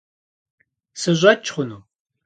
Sış'eç' xhunu?